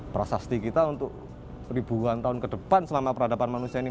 prasasti kita untuk ribuan tahun ke depan selama peradaban manusia ini